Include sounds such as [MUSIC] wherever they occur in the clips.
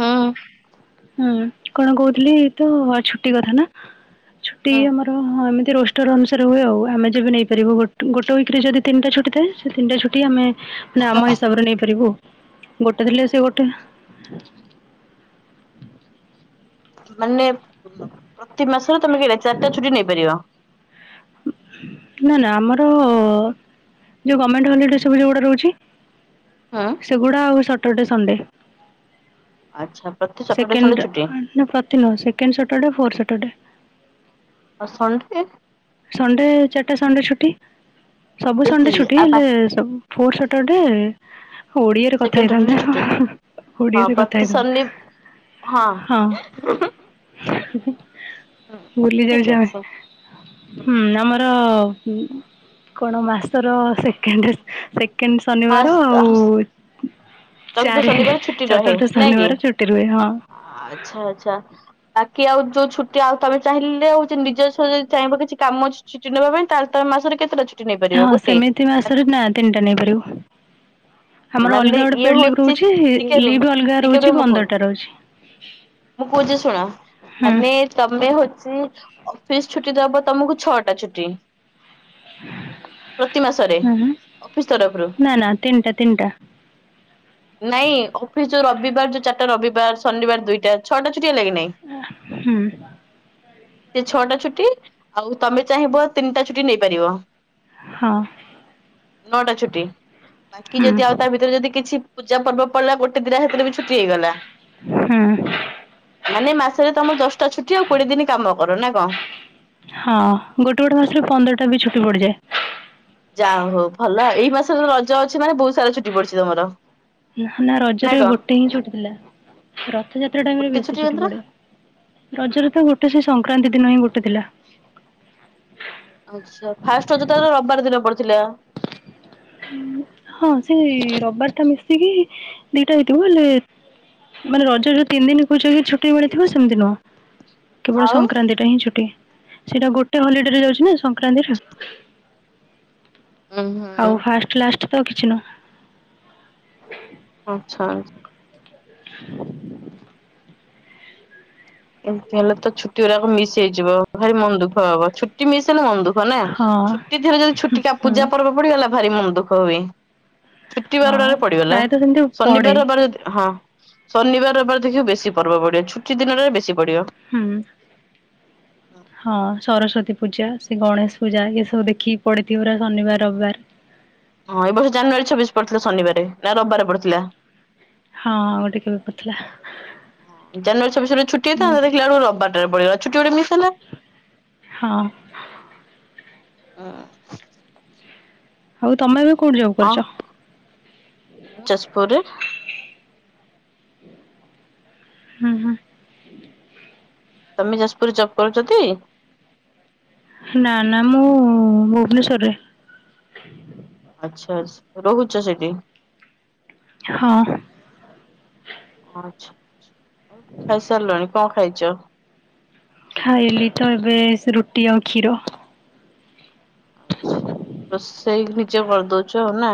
ହୁଁ। ହୁଁ କଣ କହୁଥିଲି ତ ଛୁଟି କଥା ନା ଛୁଟି ହଁ। ଆମର ଏମ ରୋଷ୍ଟର ଅନୁସାରେ ହୁଏ ଆଉ ଆମେ ଯେବେ ନେଇ ପାରିବୁ ଗୋଟ ଗୋଟେ ୱିକରେ ଯଦି ତିନଟା ଛୁଟି ଥାଏ ସେ ତିନଟା ଛୁଟି ଆମେ ନା ଆମ ହିସାବରେ ନେଇପାରିବୁ। ଗୋଟେ ଥିଲେ ସେ ଗୋଟେ। ମାନେ ପ୍ରତି ମାସରେ ତମେ କେଇଟା ଚାରିଟା ଛୁଟି ନେଇ ପାରିବ। ନା ନା ଆମର-ଅ-ଅ-ଅ ଯୋଉ ଗଣମେଣ୍ଟ ହଲିଡେ ସବୁ ଯୋଉୁଟା ରହୁଛି ହଁ। ସେଗୁଡା ଆଉ ସଟରଡେ ସଣ୍ଡେ। ଆଚ୍ଛା ପ୍ରତି ସଟରଡେ ସଣ୍ଡେ ସେକେଣ୍ଡ ଛୁଟି ନା ପ୍ରତି ନୁହଁ second Saturday four Saturday ଆଉ ସଣ୍ଡେ? ସଣ୍ଡେ ଚାରିଟା ସଣ୍ଡେ ଛୁଟି। ସବୁ ଯଦି ସଣ୍ଡେ ଛୁଟି ଆଉ ବା ହେଲେ ସବୁ ଫୋର ସଟରଡେ ଓଡିଆରେ କଥା ସେକେଣ୍ଡ ସଟରଡେ ହେଇଥାନ୍ତା। ହା ଛୁଟି ହା ହଁ ଓଡିଆରେ କଥା ପ୍ରତି ଶନି ହେଇଥାନ୍ତା। ହଁ ହି ହି ହିଁ ହିଁ ହିଁ ବୁଲି ଠିକ ଯାଉଛେ ଆମେ ଅଛି ହୁଁ ଆମର-ଅ-ଅ-ଅ ଉ କଣ ମାସର ସେକେଣ୍ଡ ସେକେ ସେକେଣ୍ଡ ଶନିବାର ହଁ ଆଉ-ଉ-ଉ ଚତୁର୍ଥ ଶନିବାର ଛୁଟି ରହେ ନାଇଁ କି? ଶନିବାର ଛୁଟି ରୁହେ ହଁ ଆଛା ଆଛା ବାକି ଆଉ ଯୋଉ ଛୁ ଆଉ ତମେ ଚାହିଁଲେ ହଉଚି ନିଜସ୍ୱ ଯଦି ଚାହିଁବ କିଛି କାମ ଅଛି ଛୁଟି ନେବା ପାଇଁ ତାହାଲେ ତମେ ମାସରେ କେତେଟା ଛୁ ହଁ ସେମିତି ମାସରେ ନା ତିନିଟା ନେଇପାରିବ। ଆମର ମାନେ ଅଲଗା ଗୋଟେ ଇଏ ପେଡ୍ ଲିଭ୍ ହଉଛି ରହୁଛି। ଟିକେ ରୁହ ଲିଭ ଅଲଗା ଟିକେ ରୁହ ରହୁଛି ମୁଁ କହୁଛି। ପନ୍ଦରଟା ରହୁଛି। ମୁଁ କହୁଛି ଶୁଣ ହୁଁ ମାନେ ତମେ ହଉଛି ଅଫିସ୍ ଛୁଟି ଦବ ତମକୁ ଛଅଟା ଛୁଟି ପ୍ରତି ମାସରେ ହୁଁ ଅଫିସ ତରଫରୁ ନା ନା ତିନିଟା ତିନିଟା ନାଇଁ ଅଫିସ ଯୋଉ ରବିବାର ଯୋଉ ଚାରିଟା ରବିବାର ଶନିବାର ଦୁଇଟା ଛଅଟା ଛୁଟି ହେଲା କି ନାଇଁ ହୁଁ। ସେ ଛଅଟା ଛୁଟି ଆଉ ତମେ ଚାହିଁବ ତିନିଟା ଛୁଟି ନେଇପାରିବ। ହଁ। ନଅଟା ଛୁଟି ବାକି ଯଦି ଆଉ ହୁଁ ତା ଭିତରେ ଯଦି କିଛି ପୂଜା ପର୍ବ ପଡିଲା ଗୋଟେ ଟେ ଦିଟା ହେଥିରେ ବି ଛୁଟି ହେଇଗଲା। ହୁଁ ମାନେ ମାସରେ ତମର ଦଶଟା ଛୁ ଆଉ କୋଡିଏ ଦିନ କାମ କର ନା କଣ? ହଁ ଗୋଟେ ଗୋଟେ ମାସରେ ପନ୍ଦରଟା ବି ଛୁଟି ପଡିଯାଏ। ଯା ହଉ ଭଲ ଏଇ ମାସରେ ରଜ ଅଛି ମାନେ ବହୁତ ସାରା ଛୁଟି ପଡିଛି ତମର। ନା ନା ରଜରେ ଗୋଟେ ହିଁ ଛୁଟି ଥିଲା ରଥଯାତ୍ରା ଟାଇମରେ ଗୋଟେ ବେଶୀ ଛୁଟି ମାତ୍ର ପଡେ। ରଜରେ ତ ଗୋଟେ ସେ ସଂକ୍ରାନ୍ତି ଦିନ ହିଁ ଗୋଟେ ଥିଲା। ଆଛ ଫାଷ୍ଟ ଅ ତ ରବିବାର ଦିନ ପଡିଥିଲା। ହଁ ସେ ରବିବାର ଟା ମିଶିକି ଦିଟା ହେଇଥିବ ହେଲେ ମାନେ ରଜ ଯୋଉ ତିନି ଦିନ କହୁଚ କି ଛୁଟି ମିଳିଥିବ ସେମିତି ନୁହଁ। କେବଳ ଆଉ ସଂକ୍ରାନ୍ତି ଟା ହିଁ ଛୁଟି। ସେଇଟା ଗୋଟେ ହଲିଡେରେ ଯାଉଛି ନା ସଂକ୍ରାନ୍ତିର ଉୁଁ ହୁଁ ଆଉ ଫାଷ୍ଟ ଲାଷ୍ଟ ତ କିଛି ନୁହ। ଆଛା। [INAUDIBLE] ଏମିତି ହେଲେ ତ ଛୁଟି ଗୁରାକ ମିଶ ହେଇଯିବ। ଭାରି ମନ ଦୁଃଖ ହବ। ଛୁଟି ମିଶ ହେଲେ ମନ ଦୁଃ ଖ ନା ହଁ। ଛୁଟି ଥିରେ ଯଦି ଛୁଟି କା ହଁ ପୂଜା ପର୍ବ ପଡିଗଲା ଭାରି ମନ ଦୁଃଖ ହୁଏ। ଛୁଟି ହଁ ବାରଟାରେ ପଡିଗଲା ପ୍ରାୟତଃ ସେମିତି ଶନିବାର ପଡ଼େ। ରବିବାର ଯଦି ହଁ। ଶନିବାର ରବିବାର ଦେଖିବ ବେଶୀ ପର୍ବ ପଡିବ। ଛୁଟି ଦିନରେ ବେଶୀ ପଡିବ। ହୁଁ। ହଁ ସରସ୍ଵତୀ ପୂଜା ସେ ଗଣେଶ ପୂଜା ଏ ସବୁ ଦେଖିକି ପଡିଥିବ ପୁରା ଶନିବାର ରବିବାର। ହଁ ଏ ବର୍ଷ ଜାନୁଆରୀ ଛବିଶ ପଡିଥିଲା ଶନିବାର ନା ରବିବାର ପଡିଥିଲା। ହଁ ଆଉ ଗୋଟେ କେବେ ପଡ଼ିଥିଲା ଜାନୁଆରୀ ଛବିଶରେ ଛୁଟି ହେଇଥାନ୍ତା ଏମିତି ଦେଖିଲା ବେଳକୁ ରବିବାରଟାରେ ପଡିଗଲା ଛୁଟି ଗୋଟେ ମିଶ ହେଲା। ହଁ। ହ। ଆଉ ତମେ ଏବେ କୋଉଠି ଜବ୍ ହଁ କରୁଛ? ଯାଜପୁରରେ ହୁଁ ହୁଁ। ତମେ ଯାଜପୁର ଜବ କରୁଛ ତି? ନା ନା ମୁଁ ଭୁବନେଶ୍ଵରରେ ଆଚ୍ଛା ଆଚ୍ଛା ରହୁଛ ସେଇଠି? ହଁ। ଆଛା ଆଉ ଖାଇସାରିଲଣି କଣ ଖାଇଛ? ଖାଇଲି ତ ଏବେ ସେ ରୁଟି ଆଉ କ୍ଷୀର। ଛା ରୋସେଇ ନିଜେ କରିଦଉଛୁ ଆଉ ନା?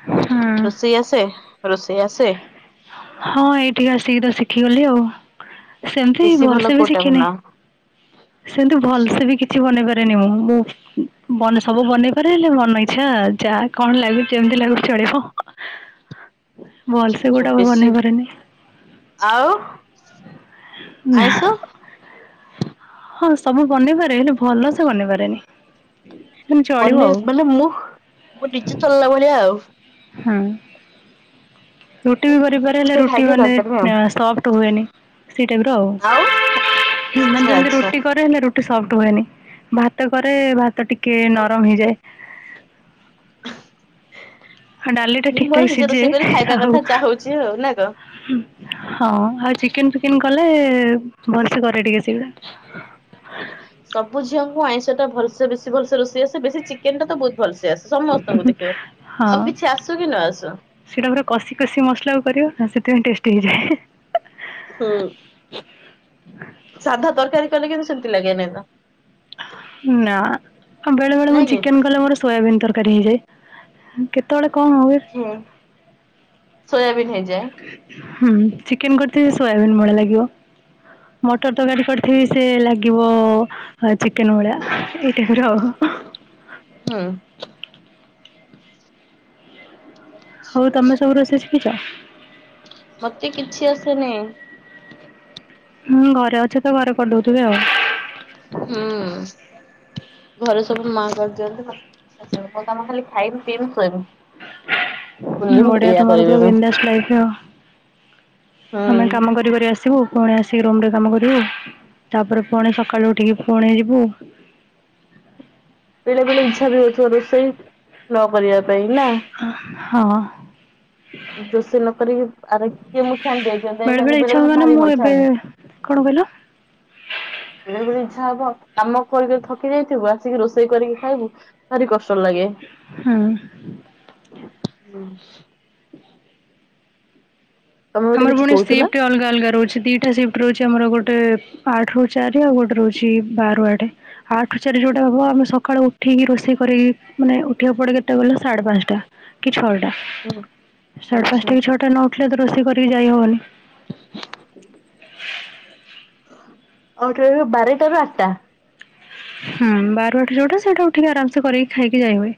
ହୁଁ। ରୋଷେଇ ଆସେ ରୋଷେଇ ଆସେ? ହଁ ଏଇଠିକ ଆସିକି ତ ଶିଖିଗଲି ଆଉ। ସେମିତି ବେଶୀ ଭଲ ଭଲସେ ବି କୋଉଟା ଶିଖିନି ବନାଅ? ସେମତି ଭଲସେ ବି କିଛି ବନେଇବା ମୁଁ ମୁ ସବୁ ବନେଇ ପାରେ ହେଲେ ମନ ଇଚ୍ଛା ଯା କଣ ଲାଗୁଛି ଯେମିତି ଲାଗୁଛି ଚ ହଁ ଭଲ ଆଚ୍ଛା ସେ ଆଚ୍ଛା ଗୋଟେ ହଁ। ବେଶୀ ମନେ କରନି ଆଉ ନା। ଆଇଁଷ ହଁ ସବୁ ଗନେଇ ପାରେ ହେଲେ ଭଲ ସେ ବନେଇ ପାରେନି। ମାନେ ଚଳିବ ଆଉ ପନିର ମାନେ ମୁଁ ମୁଁ ନିଜେ ଚଲିଲା ଭଳିଆ ଆଉ ହଁ। ରୁଟି ମୁଁ ବି ଯେମିତି ମୋର କରିପାରେ ହେଲେ ମୁଠେ ରୁଟି ଖାଇକି ମାନେ କରିପାରିବି ଆଉ। ସଫ୍ଟ ହୁଏନି ସେଇ ଟାଇପ ର ଆଉ ଏମାନେ ଆଚ୍ଛା ଯେମିତି ଆଚ୍ଛା ରୁଟି କରିବେ ସେ ରୁଟି ସ ସଫ୍ଟ ହୁଏନି ଭାତ କରେ ଭାତ ଟିକେ ଆଉ ନରମ ହେଇଯାଏ। [INAUDIBLE] ଡାଲି ଟା ମୁଁ ଠିକ୍ ମୋର ଠାକ୍‌ ନିଜେ ସିଝେ ରୋଷେଇ କରି ଖାଇବା ଆଉ କଥା ଯାହା ହଉଚି ଆଉ ନା କଣ? ହଁ ଆଉ ଚିକେନ ଫିକେନ କଲେ ଭସେ କରେ ଟିକେ ଶୀଘ୍ର। ସବୁ ଝିଅଙ୍କୁ ଆଇଁଷ ଟା ଭଲ ବେଶୀ ଭଲସେ ରୋଷେଇ ଆସେ ବେଶୀ ଚିକେନ ଟା ତ ବହୁତ ଭଲସ ଆସେ ସମସ୍ତଙ୍କୁ ଦେଖିବ ହଁ ଆଉ କିଛି ଆସୁ କି ନ ଆସୁ। ସେଇଟା ପୁରା କଷି କଷି ମସଲା କରିବ ନା ସେଥିପାଇଁ ଟେଷ୍ଟି ହେଇଯାଏ। ହୁଁ। ସାଧା ତରକାରୀ କଲେ କିନ୍ତୁ ସେମତି ଲାଗେନାଇ ତ। ନା ଆଉ ବେଳେ ବେଳେ ମୁଁ ନାଇଁ କି ଚିକେନ କଲେ ମୋର ସୋୟାବନ୍ ତରକାରୀ ହେଇଯାଏ। କେତେବେଳେ କଣ ହୁଏ ହୁଁ ସୋୟାବନ୍ ହେଇଛି। ହୁଁ ଚିକେନ କରିଥିବେ ସୋୟାଵିନ୍ ଭଳିଆ ଲାଗିବ। ମଟର ତ ଗାଡି କରିଥିବି ସେ ଲାଗିବ ଚିକେନ ଭଳିଆ ଏଇଟାଇପ ର ଆଉ ହ ହୁଁ। ଆଚ୍ଛା ହୋଉ ଆଚ୍ଛା। ତମେ ସବୁ ରୋଷେଇ ସିକିଛ? ମତେ କିଛି ଆସେନି। ହୁଁ ଘରେ ଅଛ ତ ଘରେ କରି ଦଉଥିବେ ଆଉ। ହୁଁ। ଘରେ ସବୁ ମା କରିଦିଅନ୍ତି ମତୋ ମୋ କାମ ଖାଲି ଖାଇି ପିଇବି ଶୋଇବି। ବୁଲିବି ବଢିଆ ଏଇଆ ତମର କରିବି ପୁରା ମୁଁ ଵିନ୍ଦାସ ଲାଇଫ ଆଉ। ହୁଁ। ଆମେ କାମ କରି କରି ଆସିବୁ। ପୁଣି ଆସିକି ରୁମ ରେ କାମ କରିବୁ ତାପରେ ପୁଣି ସକାଳୁ ଉଠିକି ପୁଣି ଯିବୁ। ହ ବେଳେ ବେଳେ ଇଚ୍ଛା ବି ହଉଥିବ ରୋଷେଇ ନ କରିବା ପାଇଁ ନା? [INAUDIBLE] ରୋଷେଇ ନ କରିକି ଆର କିଏ ମୁଠି ଆଣି ଦ ବେଳେ ବେଳେ ଇଚ୍ଛା ହୁଏ ବେଳେବେଳେ ମାନେ ଭାରି ମୁଁ ଏବେ [UNINTELLIGIBLE] କଣ କହିଲ? ବେଳେବେଳେ ଇଚ୍ଛା ହବ। କାମ କରି କରି ଥକି ଯାଇଥିବୁ ଆସିକି ରୋଷେଇ କରିକି ଖାଇବୁ ଭାରି କଷ ଟ ଲାଗେ ହୁଁ। ତମେ ଗୋଟେ ତମର କିଛି ଫୁଣି କହୁଥିଲ? ସିଫ୍ଟ ଅଲଗା ଅଲଗା ରହୁଛି ଦିଟା ସିଫ୍ ଟେ ରହୁଛି ଆମର ଗୋଟେ ଆଠ ରୁ ଚାରି ଆଉ ଗୋଟେ ରହୁଛି ବାରରୁ ଆଠେ ଆଠେ ରୁ ଚାରି ଯୋଉଟା ହବ ଆ ସକାଳୁ ଉଠିକି ରୋଷେଇ କରିକି ମାନେ ଉଠିବାକୁ ପଡେ କେତେଟା କହିଲ ସାଢେ ପାଞ୍ଚଟା କି ଛଅ ସାଢେ ଆଚ୍ଛା। ପାଞ୍ଚଟା କି ଛଅଟା ନ ଉଠିଲେ ତ ରୋଷେଇ କରିକି ଯାଇ ହବନି। ସେଇ ଯୋଉ ବାରେ ଟାରୁ ଆଟା। ହୁଁ ବାର ରୁ ଆଠ ଯୋଉଟା ସେଇଟାକୁ ଉଠିକି ଆରାମସେ କରିକି ଖାଇକି ଯାଇ ହୁଏ।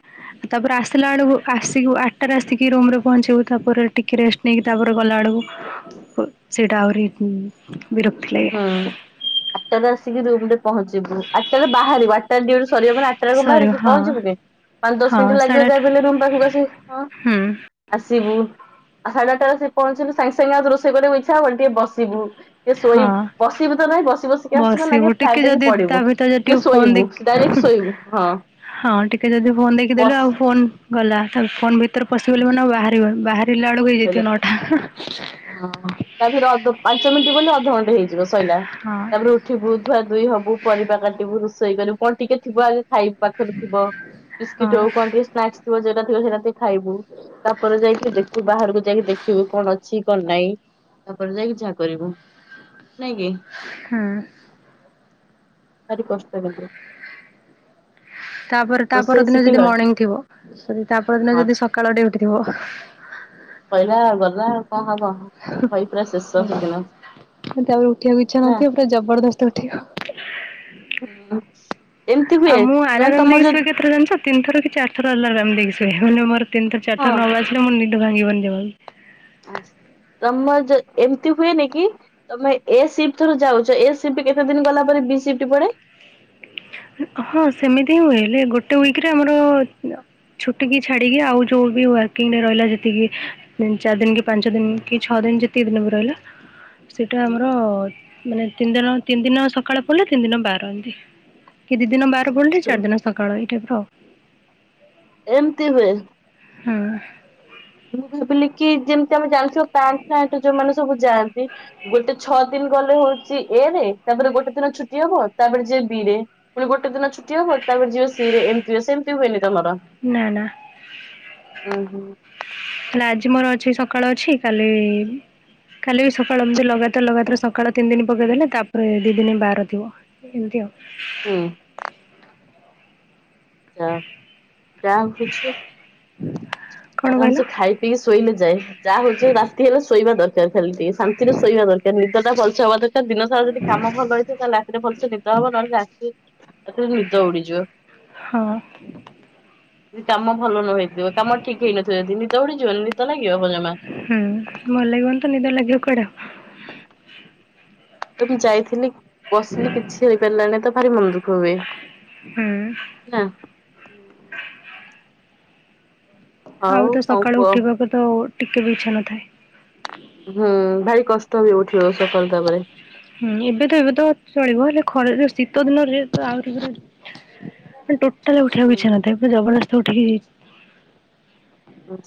ତାପରେ ଆସିଲା ବେଳକୁ ଆସିକି ଆଠଟାରେ ଆସିକି ରୁମ ରେ ପହଞ୍ଚିବୁ ତାପରେ ଟିକେ ରେଷ୍ଟ ନେଇକି ତାପରେ ଗଲା ବେଳ ସେଇଟା ଆହୁରି ଉଁ ମ୍ ହୁଁ ଆଟାରେ ଆସିକି ରୁମରେ ପହଞ୍ଚୁ ଯିବୁ ଆଠଟା ବେଳେ ବାହାରିବୁ ଆଠଟାରେ ଡ୍ୟୁଟି ସରିବ ମାନେ ଆଠଟାକୁ ସରି ବାହାରିକି ହଁ ପହଞ୍ଚିବୁ କି ପାଞ୍ଚ ଦଶ ହଁ ମିନିଟ୍ ଲାଗିବ ସାଢ଼େ ଆଠ ଯାହା ବି ହେଲେ ରୁମ୍ ପାଖକୁ ଆସି ହଁ ହୁଁ। ଆସିବୁ ଆ ସାଢ଼େ ଆ ଟା ରେ ଆସିକି ପହଞ୍ଚିଲୁ ସାଙ୍ଗେ ସାଙ୍ଗେ ଆଉ ରୋଷେଇ କରିବାକୁ ଇଚ୍ଛା ହବ ଟିକେ ବସିବୁ ଟିକେ ଶୋଇ ହଁ ବସିବୁ ତ ନାହିଁ ବସି ବସିକା ଆସଚୁ ମାନେ ଆଗେ ବସିବୁ ଟିକେ ଫ୍ଲାଟ ହେଇକି ଯଦି ତା ପଡିବୁ ଭିତରେ କିଏ ଟିକେ ଫୋନ ଶୋଇବୁ ଦେଖ ଡାଇରେକ୍ଟ ଶୋଇବୁ ହଁ। ହଁ ଟିକେ ଯଦି ଫୋନ ଦେଖିଦେଲୁ ବସ ଆଉ ଫୋନ୍ ଗଲା ଆଉ ଫୋନ ଭିତରେ ହଁ ପଶିଗଲୁ ମାନେ ଆଉ ବାହାରିନୁ ବାହା ହଁ ତା ଭିତରେ ଅଧ ପାଞ୍ଚ ମିନିଟ ବୋଲି ଅଧଘଣ୍ଟେ ହେଇ ଯିବ ସଇଲା ହଁ ତାପରେ ଉଠିବୁ ଧୁଆ ଧୁଇ ହବୁ ପରିବା କାଟିବୁ ରୋଷେଇ କରିବୁ କଣ ଟିକେ ଥିବ ଆଗ ଖାଇ ପାଖରେ ଥିବ ବିସ୍କିଟ ହଁ ହଉ କଣ ଟିକେ ସ୍ନାକ୍ସ ଥିବ ଯଉଟା ଥିବ ସେଇଟା ଟି ଖାଇବୁ ତାପରେ ଯାଇକି ଦେଖୁ ବାହାରକୁ ଯାଇକି ଦେଖିବୁ କଣ ଅଛି କଣ ନାହିଁ ତାପରେ ଯାଇକି ଯାହା କରିବୁ ନାଇଁ କି? ହୁଁ ଭାରି କଷ୍ଟ କିନ୍ତୁ ତାପରେ ତା ପର ରୋଷେଇ ଦିନ ଶିଖିଲ ଯଦି ମର୍ଣ୍ଣିଂ ଥିବ ସରି ତା ପର ଦିନ ହଁ ଯଦି ସକାଳ ଡ୍ୟୁଟି ଥିବ ସଇଲା ଗଲା ଆଉ କଣ ହବ। ମୁଁ ଭଇ ପୁରା ଶେଷ କହିଲି ସେଦିନ ତାପରେ ଆଉ ଉଠିବାକୁ ଇଚ୍ଛା ନା ନଥିବ ପୁରା ଜବରଦସ୍ତ ଉଠେଇବ। ହୁଁ। ଏମିତି ହୁଏ ଆଉ ମୁଁ ମାନେ ଆଲରାମ ତମର ଦେଇକି ଶୁଏ ଯଦି କେତେ ଟା ଜାଣିଚ? ତିନିଥର କି ଚାରି ଥର ଆଲାରାମ ଦେଇକି ଶୁଏ ମାନେ ମୋର ତିନ ଥର ଚାର ଥର ହଁ ନ ବାଜିଲେ ମୋ ନିଦ ଭାଙ୍ଗିବନି ଜମା ବି। ଆ ତମ ଯ ଏମିତି ହୁଏନି କି ତମେ ଏ ସିଫ୍ଟ ଥର ଯାଉଚ ଏ ସିଫ୍ଟ କେତେ ଦିନ ଗଲା ପରେ ବି ସିଫ୍ଟି ପଡେ? ହଁ ସେମିତି ହିଁ ହୁଏ ହେଲେ ଗୋଟେ ୱିକ ରେ ଆମର ଅ ଛୁଟ କିି ଛାଡିକି ଆଉ ଯୋଉ ବି ୱାର୍କିଂ ଡେ ରହିଲା ଯେତିକି ଚାରି ଦିନ କି ପାଞ୍ଚ ଦିନ କି ଛଅ ନ ଯେତିକି ଦିନ ବି ରହିଲା ସେଇଟା ଆମର ମାନେ ତିନି ଦିନ ତିନି ଦିନ ସକାଳେ ପଲଲା ତିନି ଦିନ ବାର ଏନ୍ତି। କି ଦି ଦିନ ବାର ପଡିଲେ ଆଚ୍ଛା। ଚାରି ଦିନ ସକାଳ ଏଇ ଟାଇପ ର ଆଉ। ଏମତି ହୁଏ? ହୁଁ। ମୁଁ ଭାବିଲି କି ଯେମତି ଆମେ ଜାଣିଥିବା ପ୍ଲାଣ୍ଟ ଫ୍ଲାଣ୍ଟ ଯୋଉମାନେ ସବୁ ଯାଆନ୍ତି ଗୋଟେ ଛଅ ଦି ଗଲେ ହଉଚି ଏ ରେ ତାପରେ ଗୋଟେ ଦିନ ଛୁଟି ହବ ତାପରେ ଯିବେ ବି ରେ ପୁଣି ଗୋଟେ ଦିନ ଛୁ ଟି ତାପରେ ଯିବ ସି ରେ ଏମିତି ହୁଏ ସେମିତି ହୁଏନି ତମର ନା ନା ଉ ହୁଁ। ହେଲେ ଆଜି ମୋର ଅଛି ସକାଳ ଅଛି କାଲି କାଲି ବି ସକାଳ ଏମିତି ଲଗାତାର ଲଗାତାର ସକାଳ ତିନି ଦିନ ପକେଇଦେଲେ ତାପରେ ଦି ଦିନ ବାର ଥିବ ଏମିତି ଆଉ। ହୁଁ। ଯା ଚା ବୁଝୁ କଣ ଆରାମ କହିଲ ସେ ଖାଇ ପିଇକି ଶୋଇଲେ ଯାଇ ଯାହା ହଉଛି ହୋଉ ରାତି ହେଲେ ଶୋଇବା ଦରକାର ଖାଲି ଟିକେ ଶାନ୍ତିରେ ଶୋଇବା ଦରକାର ନ ନିଦ ଟା ଭଲ ସେ ହବ ଦରକାର ଦିନ ସାରା ଯଦି କାମ ଭଲ ହେଇଥିବ ତାହେଲେ ରାତିରେ ଭଲସେ ନିଦ ହବ ନହେଲେ ରା ରାତିରେ ନିଦ ଉଡିଯିବ ହଁ। ଯଦି କାମ ଭଲ ନ ହେଇଥିବ କାମ ଠିକ ହେଇନଥିବ ଯଦି ନିଦ ଉଡିଯିବନି ନିଦ ଲାଗି ହୁଁ ଭଲ ଲାଗିବନିତ ନିଦ ଲାଗିବ କୁଆଡେ ଆଉ। ତ ମୁଁ ଯାଇଥିଲି ବସିଲି କିଛି ହେଇପାରିଲାନି ତ ଭାରି ମନ ଦୁଃଖ ହୁଏ। ହୁଁ। ନା ଆଉ ତ କଣ ସକାଳୁ କୁହ ଉଠିବାକୁ ତ ଟିକେ ବି ଇଛା ନଥାଏ ହୁଁ ଭାରି କଷ୍ଟ ବି ଉଠିବ ସକାଳୁ ତାପରେ ହୁଁ ଏବେ ତ ଏବେ ତ ଚଳିବ ହେଲେ ଖରା ରୁ ଶୀତ ଦିନରେ ତ ଆହୁରି ପୁରା ମାନେ ଟୋଟାଲ ଉଠିବାକୁ ଇଛା ନଥାଏ ପୁରା ଜବରଦସ୍ତ ଉଠିକି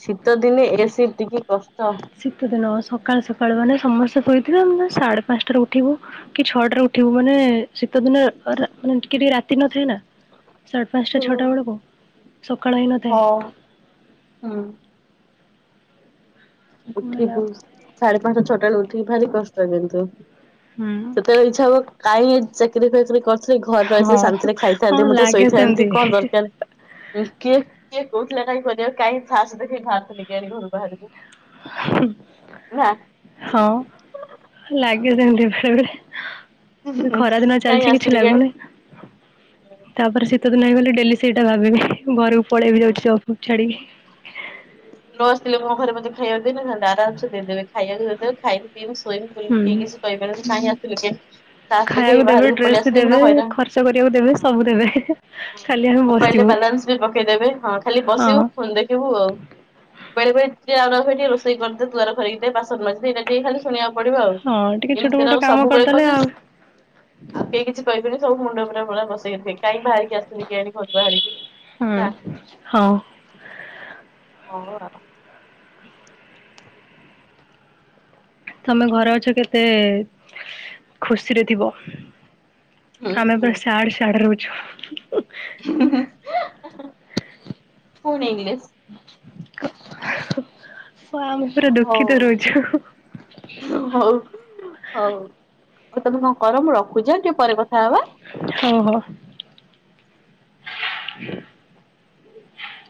ଶୀତ ଦିନେ ଏ ସିପ୍ଟିକି କଷ୍ଟ ଶୀତ ଦିନ ସକାଳୁ ସକାଳୁ ମାନେ ସମସ୍ତେ ସୋଇ ଥିବେ ଆମ ସାଢ଼େ ପାଞ୍ଚଟାରେ ଉଠିବୁ! କି ଛଅଟାରେ ଉଠିବୁ! ମାନେ, ଶୀତ ଦିନେ ରା ମାନେ ଟିକେ ଟିକେ ରାତି ନଥାଏ ନା। ସାଢେ ପାଞ୍ଚଟା ହୁଁ ଛଅଟା ବେଳକୁ ସକାଳ ହଁ, ହେଇନଥାଏ ହୁଁ। କଣ ହେଲା ଉଠିବୁ, ସାଢେ ପାଞ୍ଚାଟା ଛଅଟା ବେଳେ ଉଠି ଭାରି କଷ୍ଟ କିନ୍ତୁ ହୁଁ ସେତେବେଳେ ଇଚ୍ଛା ହବ କାଇଁ, ଏ ଚାକିରି ଫାକିରି କର ଘରେ ରହିଥିଲେ ହଁ ଶାନ୍ତିରେ ହଁ ଖାଇଥାନ୍ତି ମୁଠେ, ଲାଗେ ଶୋଇଥାନ୍ତି। ସେମିତି କଣ ଦରକାର? କିଏ? କିଏ? କୋଉଥିଲା କାଇଁ କରିଆକୁ! କାହିଁ ଫାସ୍ ଦେଖେଇ ବାହାରୁଥିଲି କେଆଣି ଘରୁ ବାହାରକୁ? ନା ହଁ, ଲାଗେ ସେମତି ବେଳେ ବେଳେ। ଏ ଖରା ଦିନ କାଇଁ ଚାଲଛି କିଛି ଆସିଥିଲି କିଆଣି ଲାଗୁନି। ତାପରେ, ଶୀତ ଦିନ ହେଇଗଲେ ଡେଲି ସେଇଟା ଭାବିବେ। ନ ଆସିଥିଲେ ମୋ ଘରେ ମତେ ଖାଇବାକୁ ଦେଇନଥାନ୍ତେ! ଆରାମସେ ଦେଇ ଦେବେ। ଖାଇବାକୁ ଯଦି ଦେବେ ଖାଇବୁ, ପିଇବୁ, ଶୋଇବୁ, ବୁଲି, ହୁଁ କେହିକିଛି କହିପାରିବେନି। କାଇଁ ଆସୁଥୁଲୁ କାଇଁ! ଫାର୍ସ ଖାଇବାକୁ ଦେଖେଇକି ଦେବେ ବାହାରକୁ ପଳେ ଡ୍ରେସ ବି ଆସିଲେ ପୁରା ଦେବେ ହଇରାଣ! ଖର୍ଚ୍ଚ କରିବାକୁ ଦେବେ ସବୁ ଦେବେ। ଖାଲି ଆମେ ମୋବାଇଲ ରେ ବସିବୁ ବାଲାନ୍ସ ବି ପକେଇଦେବେ। ହଁ, ଖାଲି ହଁ। ବସିବୁ ଫୋନ୍ ଦେଖିବୁ ଆଉ। ବେଳେ ବେଳେ ଯିଏ ଯାଉଆଉଣୁ ଖାଲିଟିକେ, ରୋଷେଇକରିଦେ, ଦୁଆର ଖଳେଇଦେ, ବାସନ ମାଜିଦେ, ଏଇରା ଟିକେ ଖାଲି ଶୁଣିଆକୁ ପଡିବ ଆଉ। ହଁ ଟିକେ ଛୋଟ ଏମିତି ନା ମୋଟ କାମ ସବୁବେଳେ କରିଦେଲେ ଖୋଜୁଛ ଆଉ ଆଉ କେହି କିଛି କହିବେନି। ସବୁ ମୁଣ୍ଡ ଉପ ପୁରା ବସେଇରଖିବେ। କାହିଁ ବାହାରିକି ଆସୁିଥିନି, କେଆଣି ଘରୁ ବାହାରିକି? ନା ହୁଁ, ହଉ। ହଉ ଆଉ। ତମେ ଘରେ ଅଛ କେତେ ଖୁସିରେ ଥିବ? ହୁଁ ଆମେ ହୁଁ। ବା ସ୍ୟାଡ ସାଡ ରହୁଛୁ। ପୁଣି ଇଂଲିଶ? [INAUDIBLE] ହଁ, ଆମେ ପୁରା ହଉ ଦୁଃଖିତ ରହୁଛୁ। ଆ ତମେ କଣ କର? ମୁଁ ରଖୁଛି ଆଁ ଟିକେ ପରେ କଥା ହବା। ହଉ ହଉ।